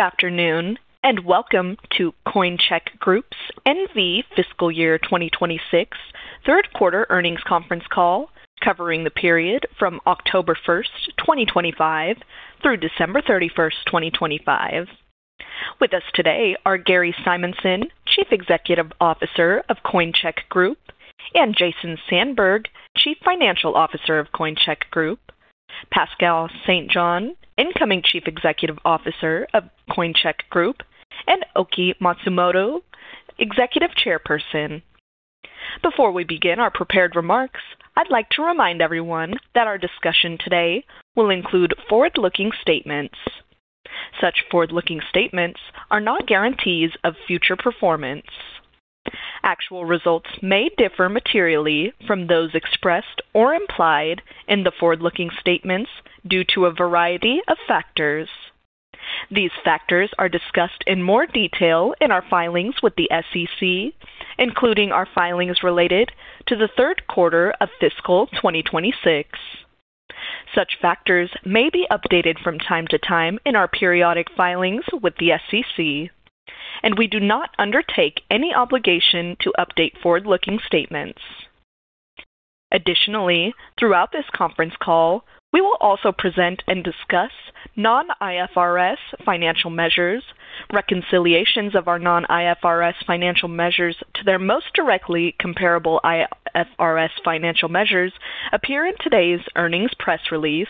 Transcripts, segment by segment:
Good afternoon, and welcome to Coincheck Group N.V. fiscal year 2026 Q3 Earnings Conference Call, covering the period from October 1, 2025, through December 31, 2025. With us today are Gary Simanson, Chief Executive Officer of Coincheck Group, and Jason Sandberg, Chief Financial Officer of Coincheck Group, Pascal St-Jean, Incoming Chief Executive Officer of Coincheck Group, and Oki Matsumoto, Executive Chairperson. Before we begin our prepared remarks, I'd like to remind everyone that our discussion today will include forward-looking statements. Such forward-looking statements are not guarantees of future performance. Actual results may differ materially from those expressed or implied in the forward-looking statements due to a variety of factors. These factors are discussed in more detail in our filings with the SEC, including our filings related to the Q3 of fiscal 2026. Such factors may be updated from time to time in our periodic filings with the SEC, and we do not undertake any obligation to update forward-looking statements. Additionally, throughout this conference call, we will also present and discuss non-IFRS financial measures. Reconciliations of our non-IFRS financial measures to their most directly comparable IFRS financial measures appear in today's earnings press release,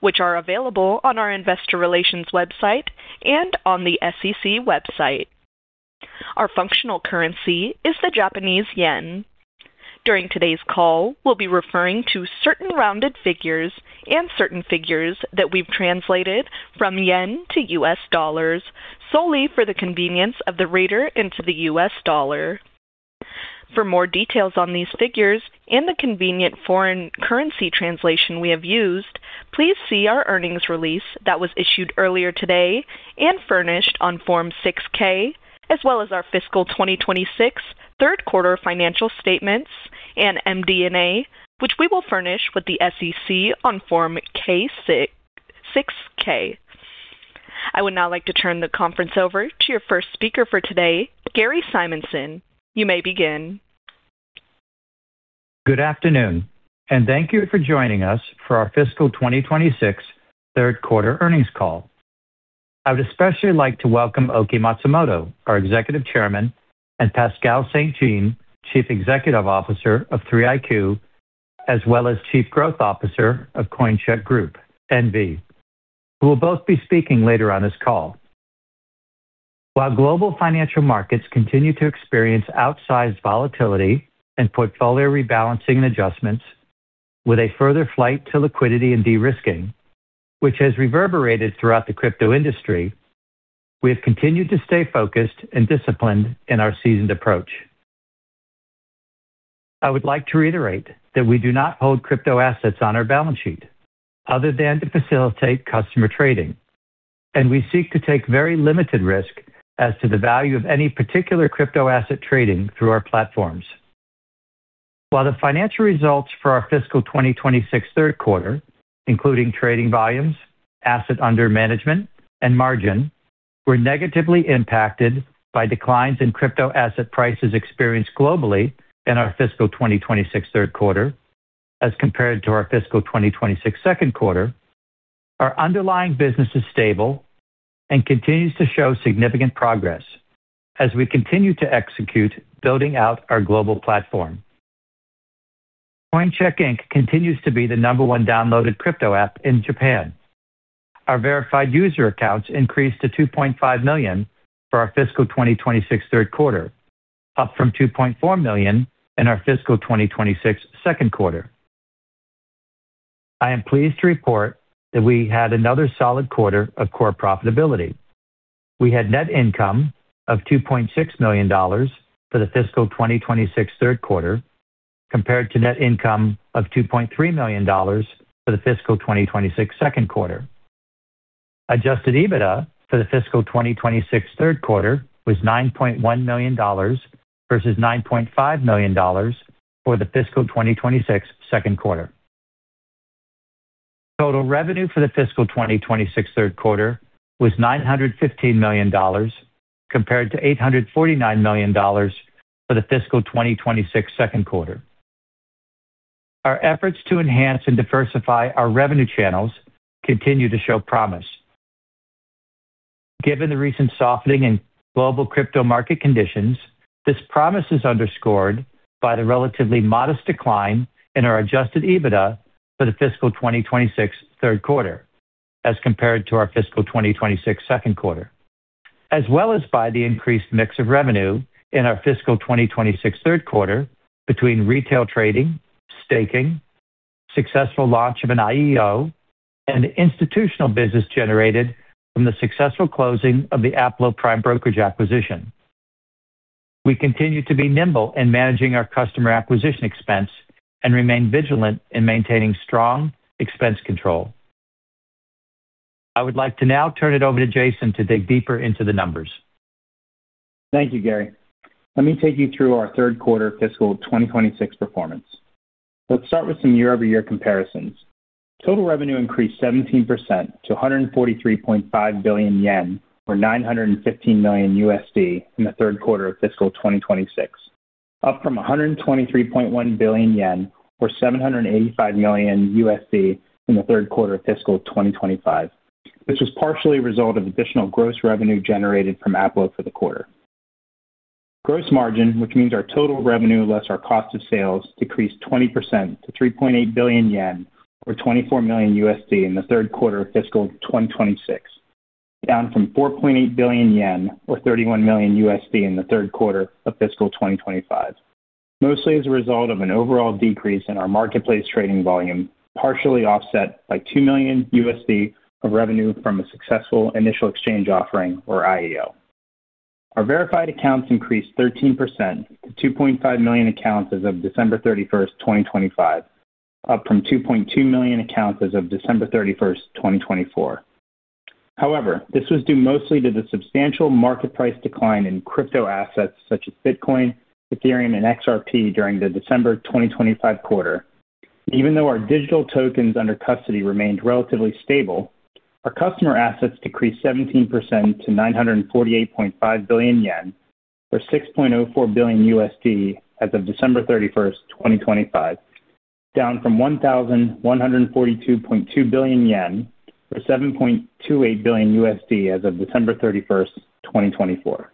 which are available on our investor relations website and on the SEC website. Our functional currency is the Japanese yen. During today's call, we'll be referring to certain rounded figures and certain figures that we've translated from yen to US dollars solely for the convenience of the reader into the US dollar. For more details on these figures and the convenient foreign currency translation we have used, please see our earnings release that was issued earlier today and furnished on Form 6-K, as well as our fiscal 2026 Q3 financial statements and MD&A, which we will furnish with the SEC on Form 6-K. I would now like to turn the conference over to your first speaker for today, Gary Simanson. You may begin. Good afternoon, and thank you for joining us for our fiscal 2026 Q3 earnings call. I would especially like to welcome Oki Matsumoto, our Executive Chairman, and Pascal St-Jean, Chief Executive Officer of 3iQ, as well as Chief Growth Officer of Coincheck Group N.V., who will both be speaking later on this call. While global financial markets continue to experience outsized volatility and portfolio rebalancing and adjustments with a further flight to liquidity and de-risking, which has reverberated throughout the crypto industry, we have continued to stay focused and disciplined in our seasoned approach. I would like to reiterate that we do not hold crypto assets on our balance sheet other than to facilitate customer trading, and we seek to take very limited risk as to the value of any particular crypto asset trading through our platforms. While the financial results for our fiscal 2026 Q3, including trading volumes, assets under management, and margin, were negatively impacted by declines in crypto asset prices experienced globally in our fiscal 2026 Q3 as compared to our fiscal 2026 Q2, our underlying business is stable and continues to show significant progress as we continue to execute building out our global platform. Coincheck, Inc. continues to be the No. 1 downloaded crypto app in Japan. Our verified user accounts increased to 2.5 million for our fiscal 2026 Q3, up from 2.4 million in our fiscal 2026 Q2. I am pleased to report that we had another solid quarter of core profitability. We had net income of $2.6 million for the fiscal 2026 Q3, compared to net income of $2.3 million for the fiscal 2026 Q2. Adjusted EBITDA for the fiscal 2026 Q3 was $9.1 million, versus $9.5 million for the fiscal 2026 Q2. Total revenue for the fiscal 2026 Q3 was $915 million, compared to $849 million for the fiscal 2026 Q2. Our efforts to enhance and diversify our revenue channels continue to show promise. Given the recent softening in global crypto market conditions, this promise is underscored by the relatively modest decline in our Adjusted EBITDA for the fiscal 2026 Q3 as compared to our fiscal 2026 Q2, as well as by the increased mix of revenue in our fiscal 2026 Q3 between retail trading, staking, successful launch of an IEO, and institutional business generated from the successful closing of the Aplo Prime Brokerage acquisition. We continue to be nimble in managing our customer acquisition expense and remain vigilant in maintaining strong expense control. I would like to now turn it over to Jason to dig deeper into the numbers. Thank you, Gary. Let me take you through our Q3 fiscal 2026 performance. Let's start with some year-over-year comparisons. Total revenue increased 17% to 143.5 billion yen, or $915 million, in the Q3 of fiscal 2026, up from 123.1 billion yen, or $785 million, in the Q3 of fiscal 2025. This was partially a result of additional gross revenue generated from Aplo for the quarter. Gross margin, which means our total revenue less our cost of sales, decreased 20% to 3.8 billion yen, or $24 million, in the Q3 of fiscal 2026, down from 4.8 billion yen, or $31 million, in the Q3 of fiscal 2025. Mostly as a result of an overall decrease in our marketplace trading volume, partially offset by $2 million of revenue from a successful initial exchange offering, or IEO. Our verified accounts increased 13% to 2.5 million accounts as of December 31, 2025, up from 2.2 million accounts as of December 31, 2024. However, this was due mostly to the substantial market price decline in crypto assets such as Bitcoin, Ethereum, and XRP during the December 2025 quarter. Even though our digital tokens under custody remained relatively stable, our customer assets decreased 17% to 948.5 billion yen, or $6.04 billion, as of December 31, 2025, down from 1,142.2 billion yen, or $7.28 billion, as of December 31, 2024.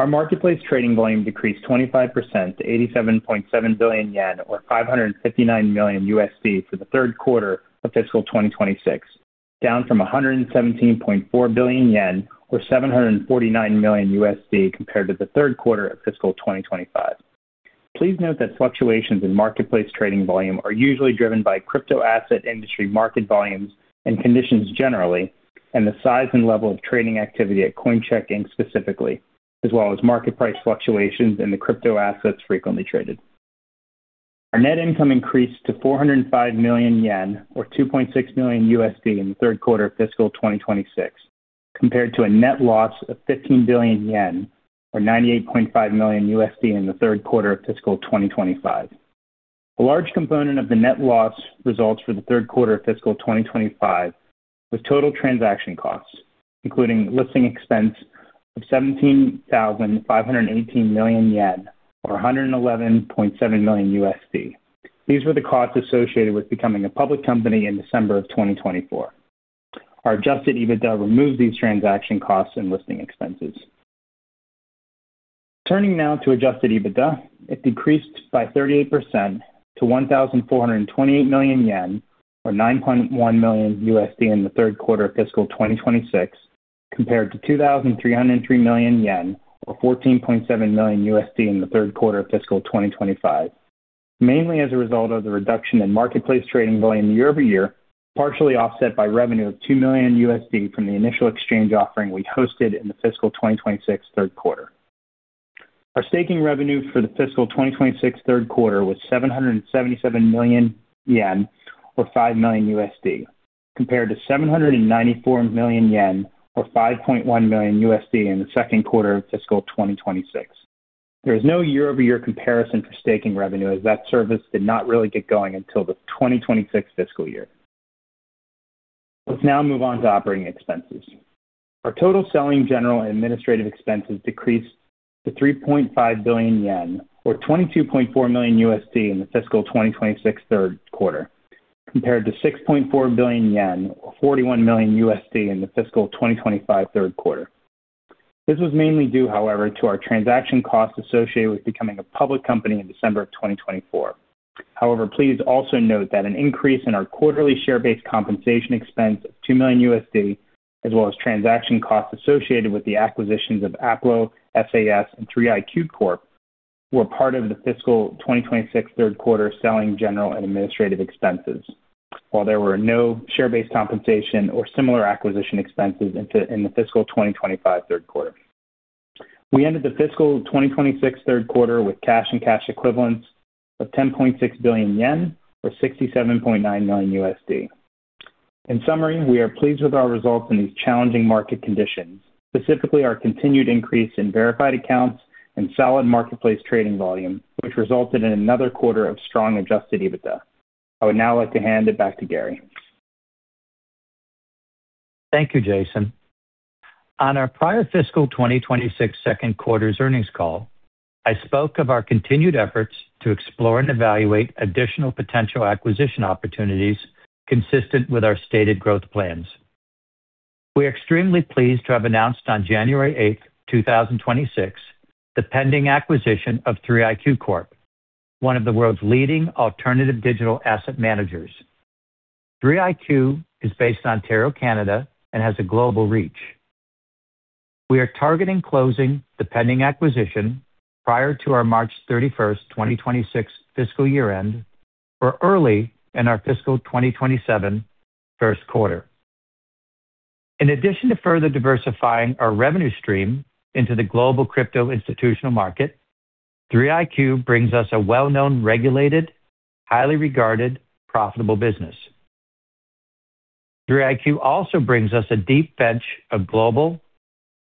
Our marketplace trading volume decreased 25% to 87.7 billion yen, or $559 million, for the Q3 of fiscal 2026, down from 117.4 billion yen, or $749 million, compared to the Q3 of fiscal 2025. Please note that fluctuations in marketplace trading volume are usually driven by crypto asset industry market volumes and conditions generally, and the size and level of trading activity at Coincheck, Inc. specifically, as well as market price fluctuations in the crypto assets frequently traded. Our net income increased to 405 million yen, or $2.6 million, in the Q3 of fiscal 2026, compared to a net loss of 15 billion yen, or $98.5 million, in the Q3 of fiscal 2025. A large component of the net loss results for the Q3 of fiscal 2025 was total transaction costs, including listing expense of 17,518 million yen, or $111.7 million. These were the costs associated with becoming a public company in December 2024. Our Adjusted EBITDA removed these transaction costs and listing expenses. Turning now to Adjusted EBITDA, it decreased by 38% to 1,428 million yen, or $9.1 million, in the Q3 of fiscal 2026, compared to 2,303 million yen, or $14.7 million, in the Q3 of fiscal 2025. Mainly as a result of the reduction in marketplace trading volume year-over-year, partially offset by revenue of $2 million from the initial exchange offering we hosted in the fiscal 2026 Q3. Our staking revenue for the fiscal 2026 Q3 was 777 million yen, or $5 million, compared to 794 million yen, or $5.1 million, in the Q2 of fiscal 2026. There is no year-over-year comparison for staking revenue, as that service did not really get going until the 2026 fiscal year. Let's now move on to operating expenses. Our total selling, general, and administrative expenses decreased to 3.5 billion yen, or $22.4 million, in the fiscal 2026 Q3, compared to 6.4 billion yen, or $41 million, in the fiscal 2025 Q3. This was mainly due, however, to our transaction costs associated with becoming a public company in December 2024. However, please also note that an increase in our quarterly share-based compensation expense of $2 million, as well as transaction costs associated with the acquisitions of Aplo SAS and 3iQ Corp, were part of the fiscal 2026 Q3 selling, general, and administrative expenses, while there were no share-based compensation or similar acquisition expenses in the fiscal 2025 Q3. We ended the fiscal 2026 Q3 with cash and cash equivalents of 10.6 billion yen, or $67.9 million. In summary, we are pleased with our results in these challenging market conditions, specifically our continued increase in verified accounts and solid marketplace trading volume, which resulted in another quarter of strong Adjusted EBITDA. I would now like to hand it back to Gary. Thank you, Jason. On our prior fiscal 2026 Q2's earnings call, I spoke of our continued efforts to explore and evaluate additional potential acquisition opportunities consistent with our stated growth plans. We are extremely pleased to have announced on January 8, 2026, the pending acquisition of 3iQ Corp, one of the world's leading alternative digital asset managers. 3iQ is based in Ontario, Canada, and has a global reach. We are targeting closing the pending acquisition prior to our March 31, 2026, fiscal year end or early in our fiscal 2027 Q1. In addition to further diversifying our revenue stream into the global crypto institutional market, 3iQ brings us a well-known, regulated, highly regarded, profitable business.... 3iQ also brings us a deep bench of global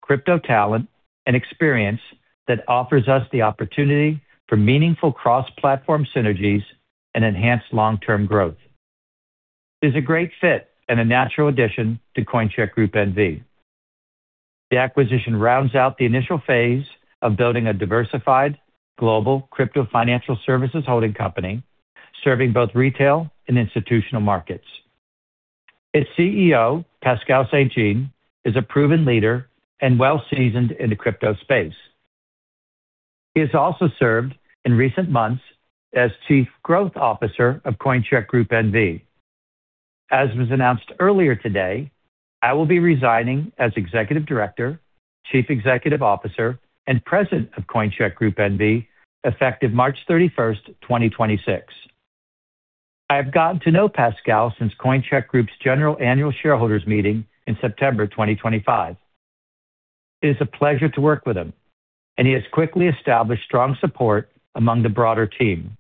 crypto talent and experience that offers us the opportunity for meaningful cross-platform synergies and enhanced long-term growth. It is a great fit and a natural addition to Coincheck Group N.V. The acquisition rounds out the initial phase of building a diversified global crypto financial services holding company, serving both retail and institutional markets. Its CEO, Pascal St-Jean, is a proven leader and well-seasoned in the crypto space. He has also served in recent months as Chief Growth Officer of Coincheck Group N.V. As was announced earlier today, I will be resigning as Executive Director, Chief Executive Officer, and President of Coincheck Group N.V., effective March 31st, 2026. I have gotten to know Pascal since Coincheck Group's general annual shareholders meeting in September 2025. It is a pleasure to work with him, and he has quickly established strong support among the broader team.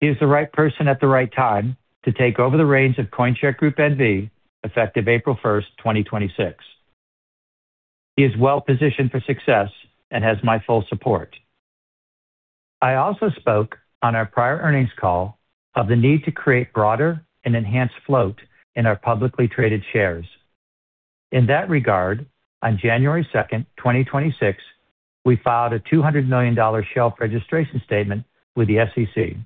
He is the right person at the right time to take over the reins of Coincheck Group N.V., effective April 1, 2026. He is well-positioned for success and has my full support. I also spoke on our prior earnings call of the need to create broader and enhanced float in our publicly traded shares. In that regard, on January 2, 2026, we filed a $200 million shelf registration statement with the SEC,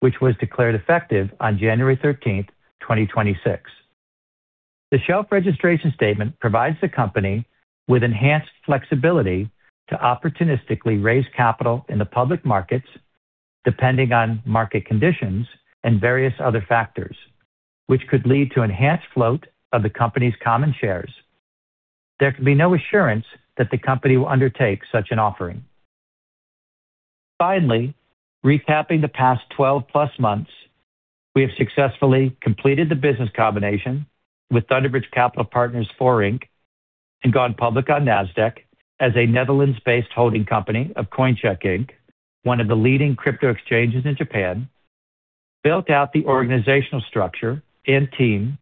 which was declared effective on January 13, 2026. The shelf registration statement provides the company with enhanced flexibility to opportunistically raise capital in the public markets, depending on market conditions and various other factors, which could lead to enhanced float of the company's common shares. There can be no assurance that the company will undertake such an offering. Finally, recapping the past 12-plus months, we have successfully completed the business combination with Thunder Bridge Capital Partners IV, Inc., and gone public on Nasdaq as a Netherlands-based holding company of Coincheck, Inc., one of the leading crypto exchanges in Japan, built out the organizational structure and team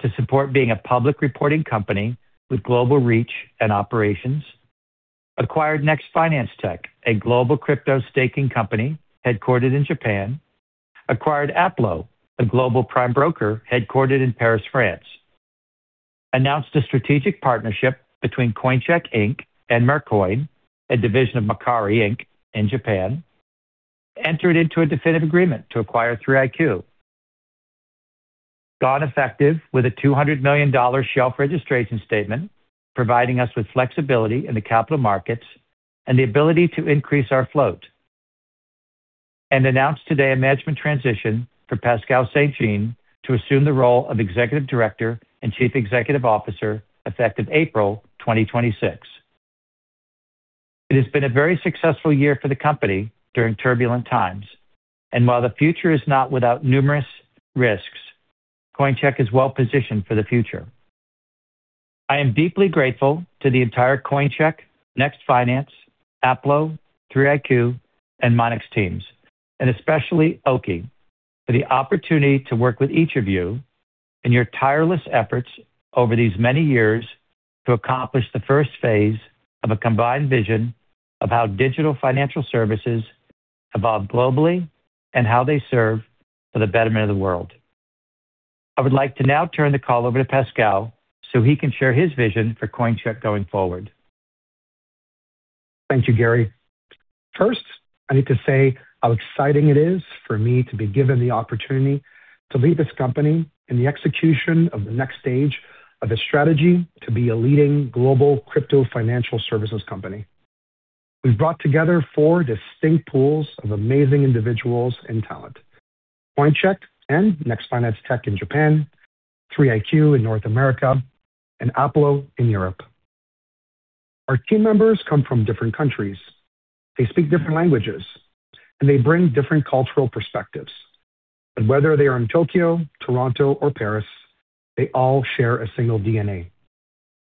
to support being a public reporting company with global reach and operations, acquired Next Finance Tech, a global crypto staking company headquartered in Japan, acquired Aplo, a global prime broker headquartered in Paris, France, announced a strategic partnership between Coincheck, Inc. and Mercoin, a division of Mercari, Inc. in Japan, entered into a definitive agreement to acquire 3iQ. Gone effective with a $200 million shelf registration statement, providing us with flexibility in the capital markets and the ability to increase our float, and announced today a management transition for Pascal St-Jean to assume the role of Executive Director and Chief Executive Officer, effective April 2026. It has been a very successful year for the company during turbulent times, and while the future is not without numerous risks, Coincheck is well-positioned for the future. I am deeply grateful to the entire Coincheck, Next Finance, Aplo, 3iQ, and Monex teams, and especially Oki, for the opportunity to work with each of you and your tireless efforts over these many years to accomplish the first phase of a combined vision of how digital financial services evolve globally and how they serve for the betterment of the world. I would like to now turn the call over to Pascal, so he can share his vision for Coincheck going forward. Thank you, Gary. First, I need to say how exciting it is for me to be given the opportunity to lead this company in the execution of the next stage of a strategy to be a leading global crypto financial services company. We've brought together four distinct pools of amazing individuals and talent, Coincheck and Next Finance Tech in Japan, 3iQ in North America, and Aplo in Europe. Our team members come from different countries. They speak different languages, and they bring different cultural perspectives. But whether they are in Tokyo, Toronto or Paris, they all share a single DNA.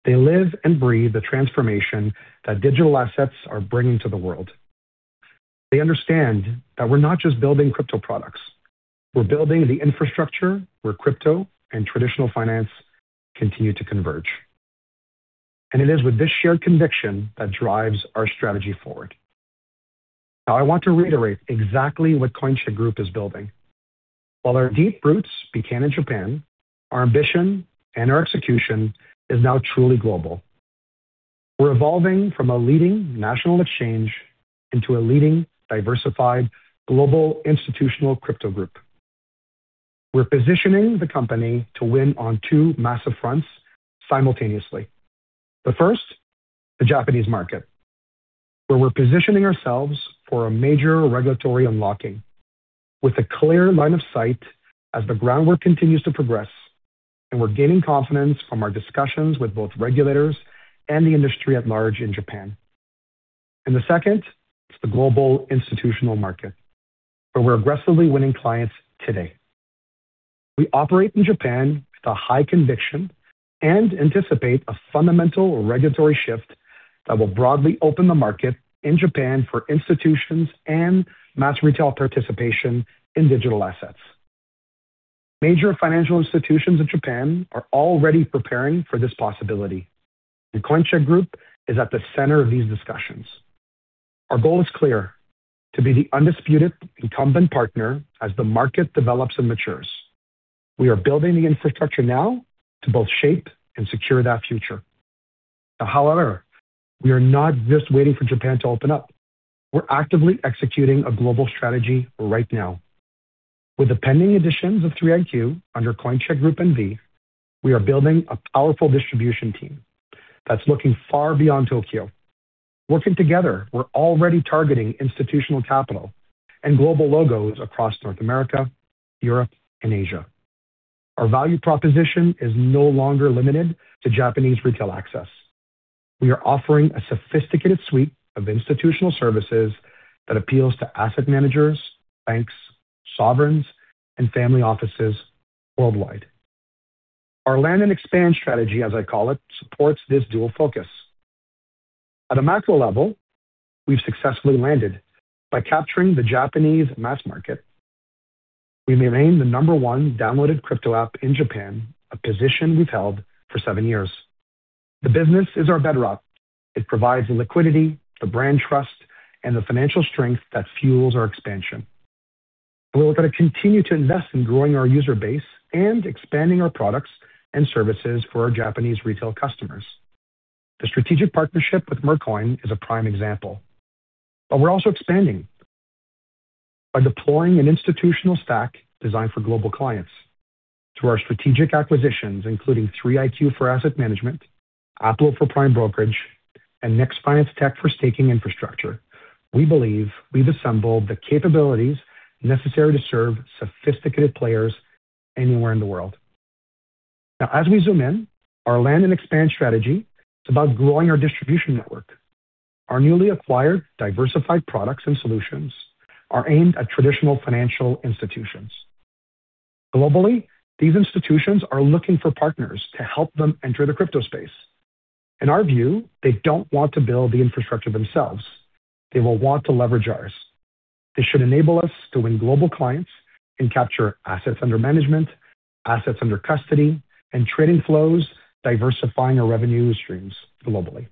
They live and breathe the transformation that digital assets are bringing to the world. They understand that we're not just building crypto products, we're building the infrastructure where crypto and traditional finance continue to converge. And it is with this shared conviction that drives our strategy forward. Now, I want to reiterate exactly what Coincheck Group is building. While our deep roots began in Japan, our ambition and our execution is now truly global. We're evolving from a leading national exchange into a leading, diversified global institutional crypto group. We're positioning the company to win on two massive fronts simultaneously. The first, the Japanese market, where we're positioning ourselves for a major regulatory unlocking with a clear line of sight as the groundwork continues to progress, and we're gaining confidence from our discussions with both regulators and the industry at large in Japan. And the second is the global institutional market, where we're aggressively winning clients today. We operate in Japan with a high conviction and anticipate a fundamental regulatory shift that will broadly open the market in Japan for institutions and mass retail participation in digital assets. Major financial institutions in Japan are already preparing for this possibility, and Coincheck Group N.V. is at the center of these discussions. Our goal is clear: to be the undisputed incumbent partner as the market develops and matures. We are building the infrastructure now to both shape and secure that future. Now, however, we are not just waiting for Japan to open up. We're actively executing a global strategy right now. With the pending additions of 3iQ under Coincheck Group N.V., we are building a powerful distribution team that's looking far beyond Tokyo. Working together, we're already targeting institutional capital and global logos across North America, Europe, and Asia. Our value proposition is no longer limited to Japanese retail access. We are offering a sophisticated suite of institutional services that appeals to asset managers, banks, sovereigns, and family offices worldwide. Our land and expand strategy, as I call it, supports this dual focus. At a macro level, we've successfully landed by capturing the Japanese mass market. We remain the number one downloaded crypto app in Japan, a position we've held for 7 years. The business is our bedrock. It provides the liquidity, the brand trust, and the financial strength that fuels our expansion. We're gonna continue to invest in growing our user base and expanding our products and services for our Japanese retail customers. The strategic partnership with Mercoin is a prime example, but we're also expanding by deploying an institutional stack designed for global clients. Through our strategic acquisitions, including 3iQ for asset management, Aplo for prime brokerage, and Next Finance Tech for staking infrastructure, we believe we've assembled the capabilities necessary to serve sophisticated players anywhere in the world. Now, as we zoom in, our land and expand strategy is about growing our distribution network. Our newly acquired diversified products and solutions are aimed at traditional financial institutions. Globally, these institutions are looking for partners to help them enter the crypto space. In our view, they don't want to build the infrastructure themselves. They will want to leverage ours. This should enable us to win global clients and capture assets under management, assets under custody, and trading flows, diversifying our revenue streams globally.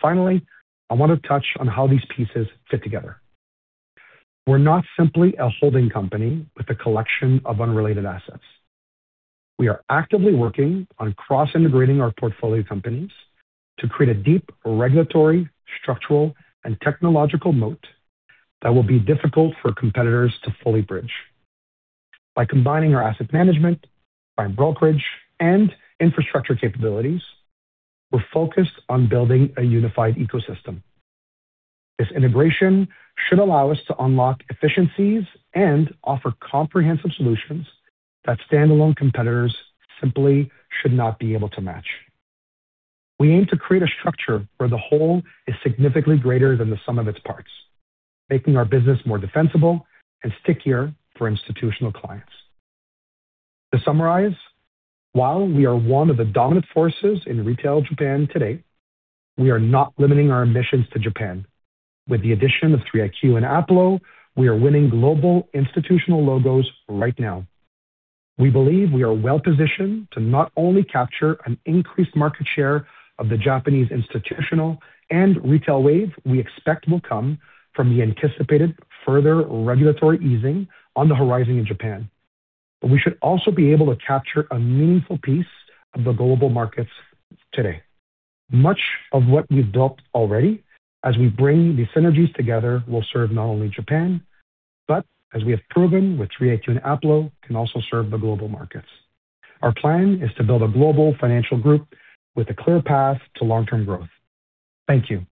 Finally, I want to touch on how these pieces fit together. We're not simply a holding company with a collection of unrelated assets. We are actively working on cross-integrating our portfolio companies to create a deep regulatory, structural, and technological moat that will be difficult for competitors to fully bridge. By combining our asset management, prime brokerage, and infrastructure capabilities, we're focused on building a unified ecosystem. This integration should allow us to unlock efficiencies and offer comprehensive solutions that standalone competitors simply should not be able to match. We aim to create a structure where the whole is significantly greater than the sum of its parts, making our business more defensible and stickier for institutional clients. To summarize, while we are one of the dominant forces in retail Japan today, we are not limiting our ambitions to Japan. With the addition of 3iQ and Aplo, we are winning global institutional logos right now. We believe we are well positioned to not only capture an increased market share of the Japanese institutional and retail wave we expect will come from the anticipated further regulatory easing on the horizon in Japan, but we should also be able to capture a meaningful piece of the global markets today. Much of what we've built already, as we bring the synergies together, will serve not only Japan, but as we have proven with 3iQ and Aplo, can also serve the global markets. Our plan is to build a global financial group with a clear path to long-term growth. Thank you.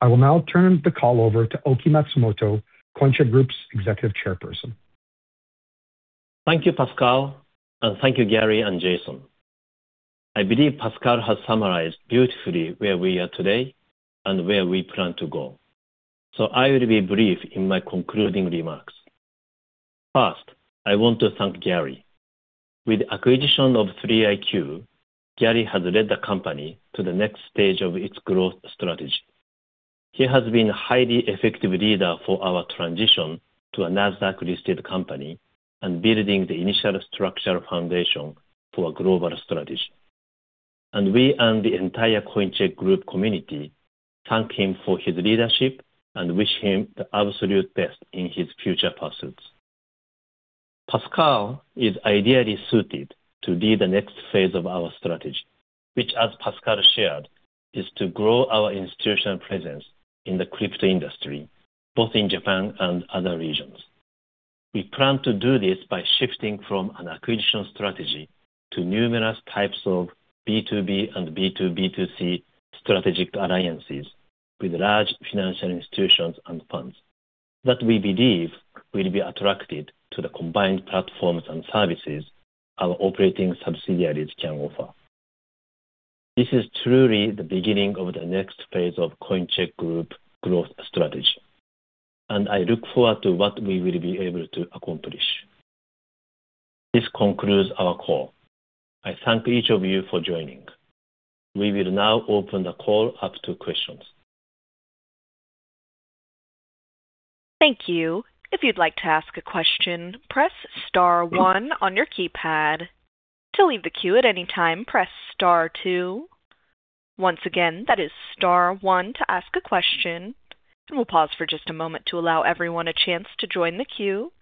I will now turn the call over to Oki Matsumoto, Coincheck Group's Executive Chairperson. Thank you, Pascal, and thank you, Gary and Jason. I believe Pascal has summarized beautifully where we are today and where we plan to go, so I will be brief in my concluding remarks. First, I want to thank Gary. With acquisition of 3iQ, Gary has led the company to the next stage of its growth strategy. He has been a highly effective leader for our transition to a Nasdaq-listed company and building the initial structural foundation for our global strategy. And we and the entire Coincheck Group community thank him for his leadership and wish him the absolute best in his future pursuits. Pascal is ideally suited to lead the next phase of our strategy, which, as Pascal shared, is to grow our institutional presence in the crypto industry, both in Japan and other regions. We plan to do this by shifting from an acquisition strategy to numerous types of B2B and B2B2C strategic alliances with large financial institutions and funds that we believe will be attracted to the combined platforms and services our operating subsidiaries can offer. This is truly the beginning of the next phase of Coincheck Group growth strategy, and I look forward to what we will be able to accomplish.... This concludes our call. I thank each of you for joining. We will now open the call up to questions. Thank you. If you'd like to ask a question, press star one on your keypad. To leave the queue at any time, press star two. Once again, that is star one to ask a question. We'll pause for just a moment to allow everyone a chance to join the queue.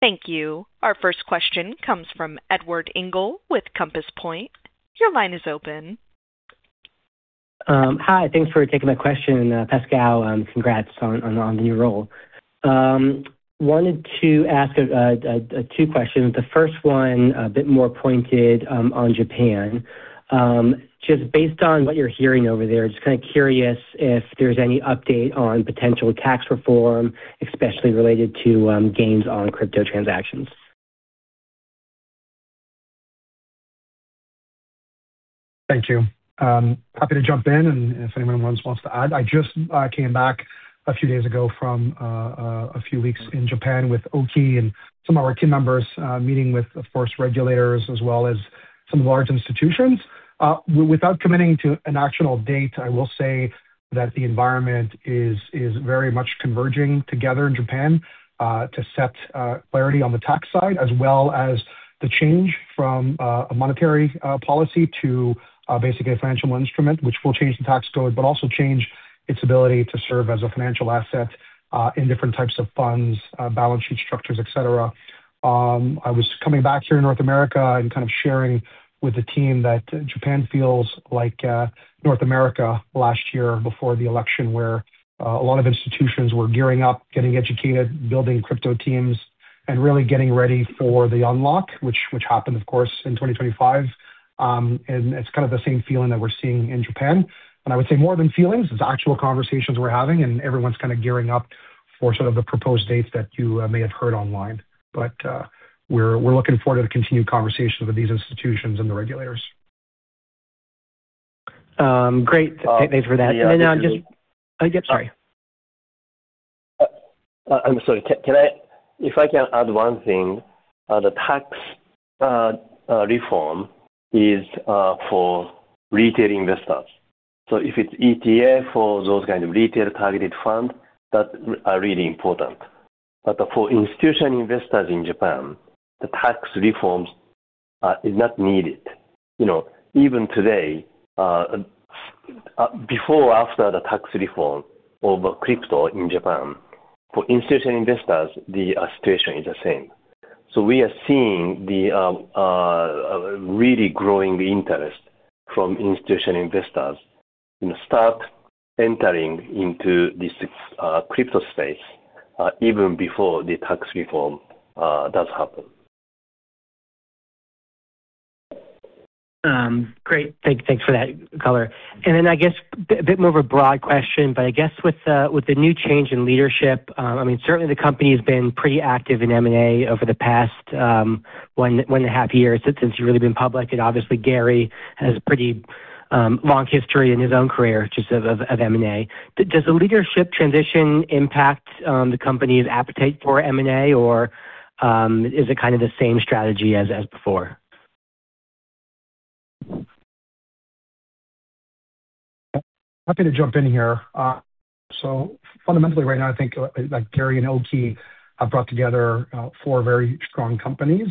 Thank you. Our first question comes from Edward Engel with Compass Point. Your line is open. Hi, thanks for taking my question. Pascal, congrats on the new role. Wanted to ask two questions. The first one, a bit more pointed, on Japan. Just based on what you're hearing over there, just kind of curious if there's any update on potential tax reform, especially related to gains on crypto transactions. Thank you. Happy to jump in, and if anyone wants to add, I just came back a few days ago from a few weeks in Japan with Oki and some of our team members, meeting with, of course, regulators as well as some large institutions. Without committing to an actual date, I will say that the environment is very much converging together in Japan to set clarity on the tax side, as well as the change from a monetary policy to basically a financial instrument, which will change the tax code, but also change its ability to serve as a financial asset in different types of funds, balance sheet structures, et cetera. I was coming back here to North America and kind of sharing with the team that Japan feels like North America last year before the election, where a lot of institutions were gearing up, getting educated, building crypto teams, and really getting ready for the unlock, which happened, of course, in 2025. And it's kind of the same feeling that we're seeing in Japan. And I would say more than feelings, it's actual conversations we're having, and everyone's kind of gearing up for sort of the proposed dates that you may have heard online. But we're looking forward to the continued conversations with these institutions and the regulators. Great, thanks for that. And then now just- Yeah. Yeah, sorry. I'm sorry, can I—If I can add one thing, the tax reform is for retail investors. So if it's ETF for those kind of retail-targeted funds, that are really important. But for institutional investors in Japan, the tax reforms is not needed. You know, even today, before or after the tax reform over crypto in Japan, for institutional investors, the situation is the same. So we are seeing the really growing interest from institutional investors, you know, start entering into this crypto space, even before the tax reform does happen. Great. Thanks for that color. And then I guess a bit more of a broad question, but I guess with the new change in leadership, I mean, certainly the company has been pretty active in M&A over the past 1.5 years since you've really been public, and obviously Gary has a pretty long history in his own career, just of M&A. Does the leadership transition impact the company's appetite for M&A, or is it kind of the same strategy as before? Happy to jump in here. So fundamentally, right now, I think, like Gary and Oki have brought together four very strong companies.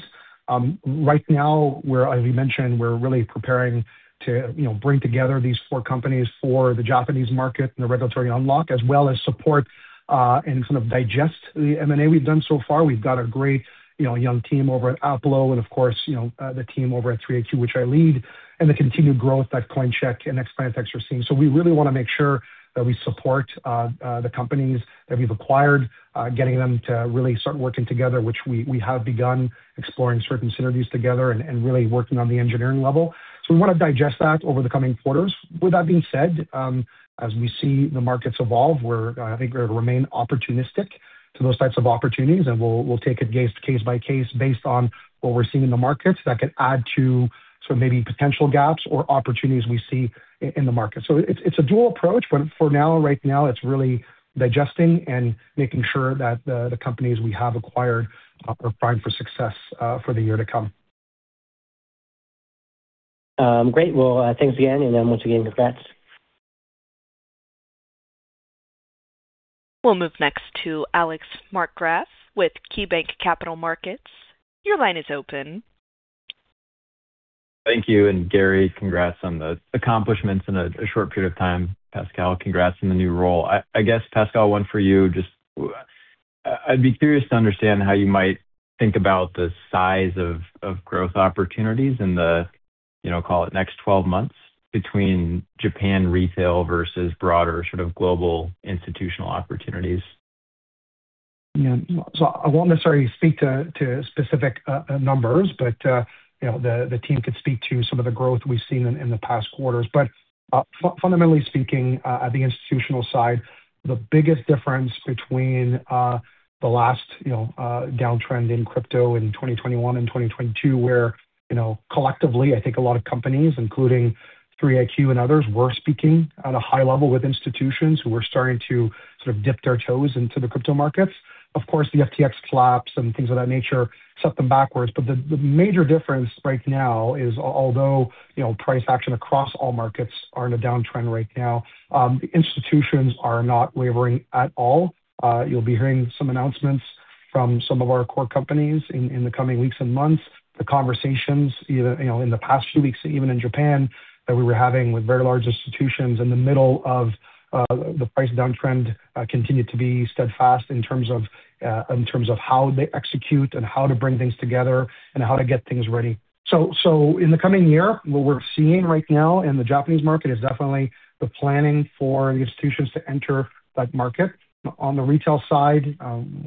Right now, we're, as we mentioned, we're really preparing to, you know, bring together these four companies for the Japanese market and the regulatory unlock, as well as support and sort of digest the M&A we've done so far. We've got a great, you know, young team over at Aplo, and of course, you know, the team over at 3iQ, which I lead, and the continued growth at Coincheck and Next Finance Tech we're seeing. So we really want to make sure that we support the companies that we've acquired, getting them to really start working together, which we have begun exploring certain synergies together and really working on the engineering level. So we want to digest that over the coming quarters. With that being said, as we see the markets evolve, we're, I think we're going to remain opportunistic to those types of opportunities, and we'll take it case by case based on what we're seeing in the markets that could add to sort of maybe potential gaps or opportunities we see in the market. So it's a dual approach, but for now, right now, it's really digesting and making sure that the companies we have acquired are primed for success for the year to come. Great. Well, thanks again, and then once again, congrats. We'll move next to Alex Markgraff with KeyBanc Capital Markets. Your line is open. Thank you, and Gary, congrats on the accomplishments in a short period of time. Pascal, congrats on the new role. I guess, Pascal, one for you. Just, I'd be curious to understand how you might think about the size of growth opportunities in the, you know, call it, next 12 months between Japan retail versus broader sort of global institutional opportunities? Yeah, so I won't necessarily speak to specific numbers, but you know, the team could speak to some of the growth we've seen in the past quarters. But fundamentally speaking, at the institutional side, the biggest difference between the last downtrend in crypto in 2021 and 2022, where you know, collectively, I think a lot of companies, including 3iQ and others, were speaking at a high level with institutions who were starting to sort of dip their toes into the crypto markets. Of course, the FTX collapse and things of that nature set them backwards, but the major difference right now is, although you know, price action across all markets are in a downtrend right now, the institutions are not wavering at all. You'll be hearing some announcements from some of our core companies in the coming weeks and months. The conversations, you know, in the past few weeks, even in Japan, that we were having with very large institutions in the middle of the price downtrend continued to be steadfast in terms of how they execute and how to bring things together and how to get things ready. So in the coming year, what we're seeing right now in the Japanese market is definitely the planning for the institutions to enter that market. On the retail side,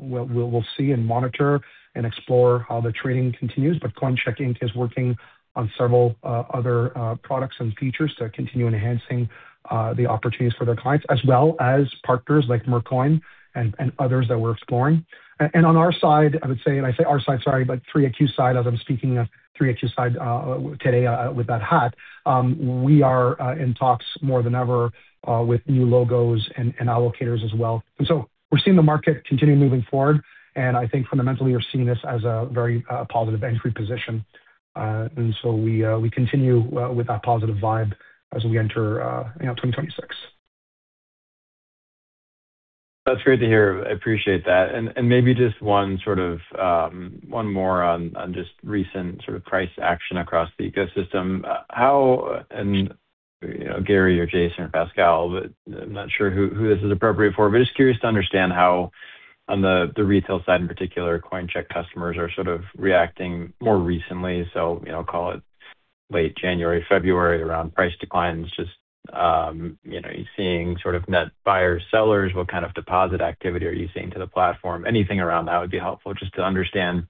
we'll see and monitor and explore how the trading continues, but Coincheck, Inc. is working on several other products and features to continue enhancing the opportunities for their clients, as well as partners like Mercari and others that we're exploring. And on our side, I would say, and I say our side, sorry, but 3iQ's side, as I'm speaking of 3iQ's side, today with that hat, we are in talks more than ever with new logos and allocators as well. And so we're seeing the market continue moving forward, and I think fundamentally we're seeing this as a very positive entry position. And so we continue with that positive vibe as we enter, you know, 2026. That's great to hear. I appreciate that. Maybe just one sort of one more on just recent sort of price action across the ecosystem. You know, Gary or Jason or Pascal, I'm not sure who this is appropriate for, but just curious to understand how on the retail side, in particular, Coincheck customers are sort of reacting more recently. So, you know, call it late January, February, around price declines, just you know, you're seeing sort of net buyers, sellers, what kind of deposit activity are you seeing to the platform? Anything around that would be helpful, just to understand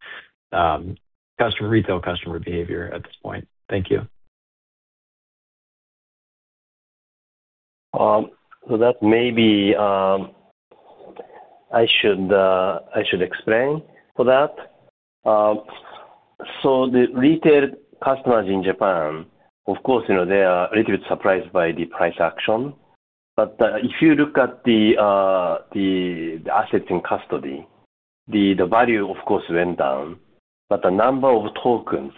customer retail customer behavior at this point. Thank you. So that may be. I should explain for that. So the retail customers in Japan, of course, you know, they are a little bit surprised by the price action. But if you look at the asset in custody, the value of course went down, but the number of tokens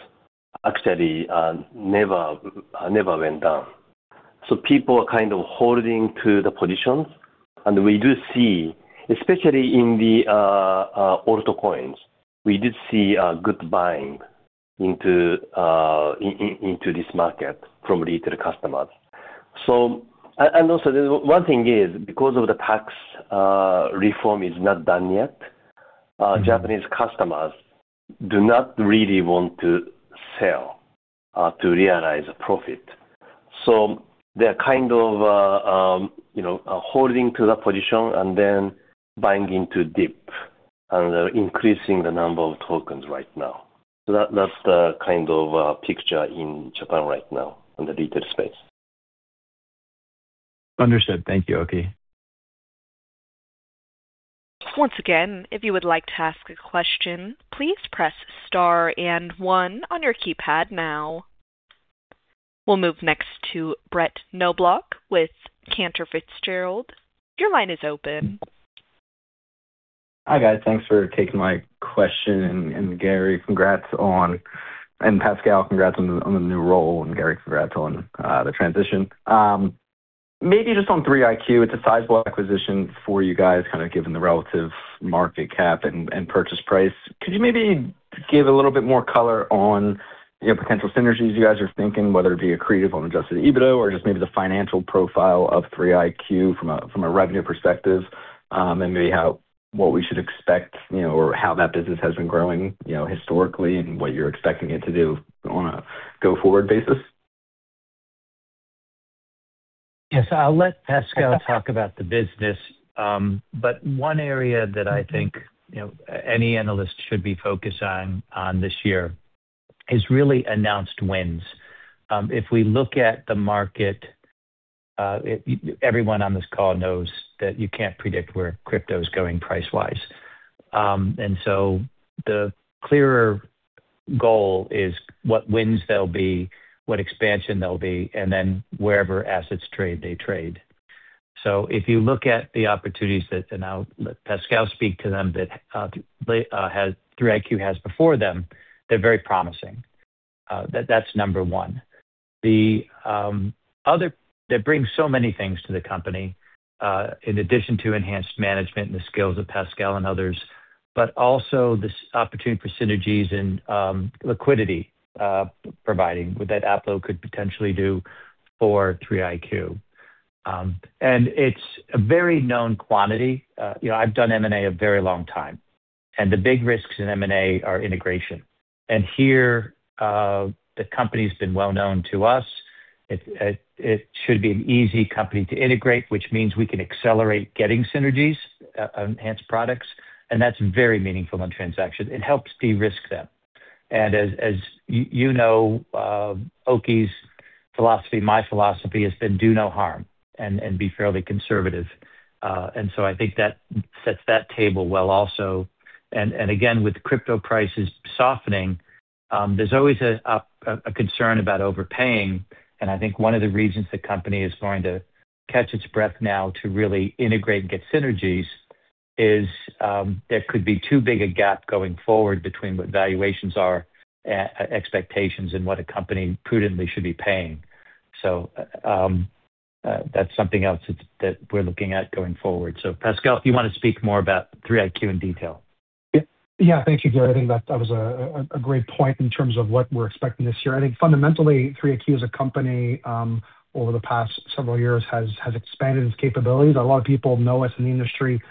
actually never went down. So people are kind of holding to the positions. And we do see, especially in the altcoins, we did see good buying into this market from retail customers. And also, the one thing is, because of the tax reform is not done yet, Japanese customers do not really want to sell to realize a profit. So they're kind of, you know, holding to the position and then buying into dip, and they're increasing the number of tokens right now. So that's the kind of picture in Japan right now in the retail space. Understood. Thank you, Oki. Once again, if you would like to ask a question, please press star and one on your keypad now. We'll move next to Brett Knoblauch with Cantor Fitzgerald. Your line is open. Hi, guys. Thanks for taking my question. And Gary, congrats on, and Pascal, congrats on the new role, and Gary, congrats on the transition. Maybe just on 3iQ, it's a sizable acquisition for you guys, kind of given the relative market cap and purchase price. Could you maybe give a little bit more color on, you know, potential synergies you guys are thinking, whether it be accretive on Adjusted EBITDA or just maybe the financial profile of 3iQ from a revenue perspective, and maybe how, what we should expect, you know, or how that business has been growing, you know, historically, and what you're expecting it to do on a go-forward basis? Yes, I'll let Pascal talk about the business, but one area that I think, you know, any analyst should be focused on, on this year is really announced wins. If we look at the market, everyone on this call knows that you can't predict where crypto's going price-wise. And so the clearer goal is what wins they'll be, what expansion they'll be, and then wherever assets trade, they trade. So if you look at the opportunities that, and I'll let Pascal speak to them, that 3iQ has before them, they're very promising. That's number one. They bring so many things to the company, in addition to enhanced management and the skills of Pascal and others, but also this opportunity for synergies and liquidity providing that Aplo could potentially do for 3iQ. And it's a very known quantity. You know, I've done M&A a very long time, and the big risks in M&A are integration. And here, the company's been well known to us. It should be an easy company to integrate, which means we can accelerate getting synergies, enhanced products, and that's very meaningful on transaction. It helps de-risk them. And as you know, Oki's philosophy, my philosophy, has been do no harm and be fairly conservative. And so I think that sets that table well also. with crypto prices softening, there's always a concern about overpaying, and I think one of the reasons the company is going to catch its breath now to really integrate and get synergies is there could be too big a gap going forward between what valuations are, expectations, and what a company prudently should be paying. So, that's something else that we're looking at going forward. So Pascal, do you wanna speak more about 3iQ in detail? Yeah. Thank you, Gary. I think that was a great point in terms of what we're expecting this year. I think fundamentally, 3iQ, as a company, over the past several years, has expanded its capabilities. A lot of people know us in the industry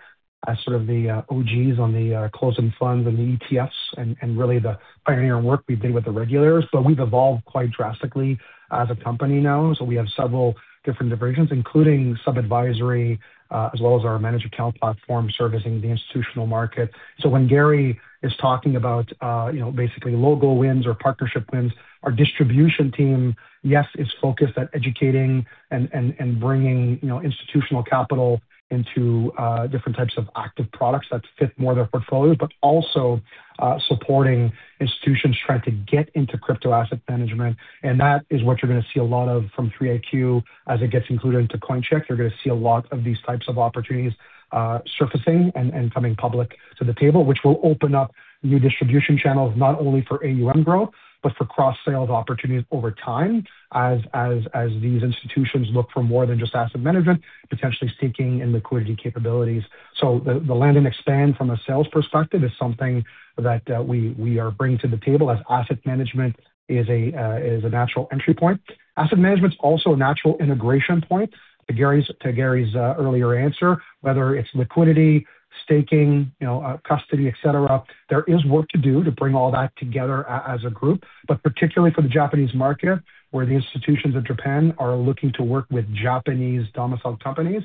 as sort of the OGs on the closing funds and the ETFs and really the pioneer work we've done with the regulators. But we've evolved quite drastically as a company now. So we have several different divisions, including some advisory, as well as our managed account platform, servicing the institutional market. So when Gary is talking about, you know, basically logo wins or partnership wins, our distribution team, yes, it's focused at educating and bringing, you know, institutional capital into different types of active products that fit more of their portfolios, but also supporting institutions trying to get into crypto asset management, and that is what you're gonna see a lot of from 3iQ as it gets included into Coincheck. You're gonna see a lot of these types of opportunities surfacing and coming public to the table, which will open up new distribution channels, not only for AUM growth, but for cross-sales opportunities over time, as these institutions look for more than just asset management, potentially staking and liquidity capabilities. So the land and expand from a sales perspective is something that we are bringing to the table, as asset management is a natural entry point. Asset management's also a natural integration point. To Gary's earlier answer, whether it's liquidity, staking, you know, custody, et cetera, there is work to do to bring all that together as a group. But particularly for the Japanese market, where the institutions of Japan are looking to work with Japanese domiciled companies,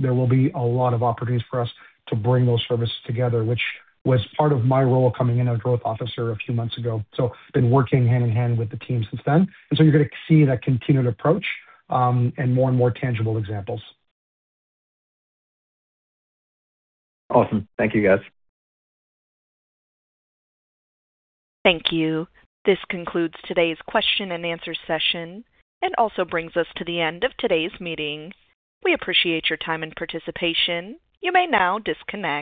there will be a lot of opportunities for us to bring those services together, which was part of my role coming in as growth officer a few months ago. So been working hand-in-hand with the team since then, and so you're gonna see that continued approach, and more and more tangible examples. Awesome. Thank you, guys. Thank you. This concludes today's question and answer session, and also brings us to the end of today's meeting. We appreciate your time and participation. You may now disconnect.